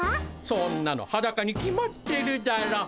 そんなのハダカに決まってるだろう。